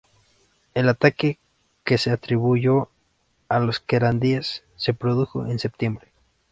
El ataque, que se atribuyó a los querandíes, se produjo en septiembre.